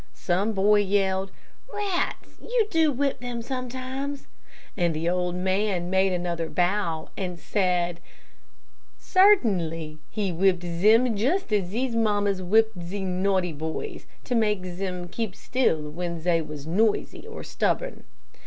Some boy yelled, 'Rats! you do whip them sometimes,' and the old man made another bow, and said, 'Sairteenly, he whipped zem just as ze mammas whip ze naughty boys, to make zem keep still when zey was noisy or stubborn.'